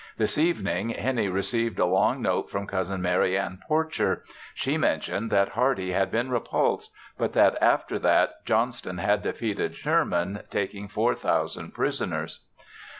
This evening Hennie received a long note from Cousin Marianne Porcher; she mentioned that Hardee had been repulsed, but that after that Johnston had defeated Sherman taking 4,000 prisoners.